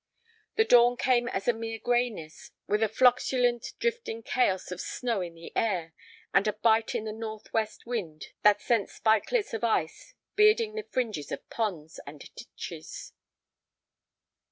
The dawn came as a mere grayness, with a flocculent, drifting chaos of snow in the air, and a bite in the northwest wind that sent spikelets of ice bearding the fringes of ponds and ditches.